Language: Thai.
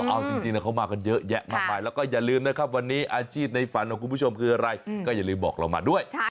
เอาจริงเขามากันเยอะแยะมากมายแล้วก็อย่าลืมนะครับวันนี้อาชีพในฝันของคุณผู้ชมคืออะไรก็อย่าลืมบอกเรามาด้วย